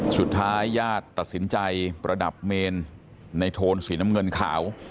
สุดท้ายญาติตัดสินใจประดับเมนในโทนสีน้ำเงินขาว